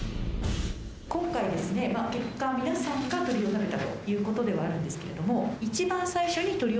今回結果皆さんが鳥を食べたということではあるんですけれども。